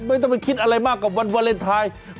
ไม่ต้องไปคิดอะไรมากกับวันวาเลนไทย